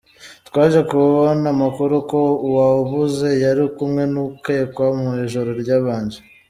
Twaje kubona amakuru ko uwabuze yari kumwe n’ukekwa mu ijoro ryabanje.